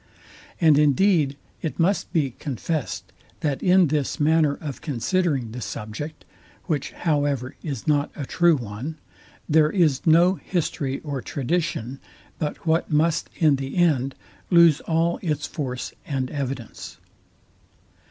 And indeed it must be confest, that in this manner of considering the subject, (which however is not a true one) there is no history or tradition, but what must in the end lose all its force and evidence.